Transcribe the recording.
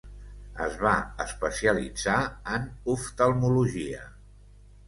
Es va especialitzar en oftalmologia.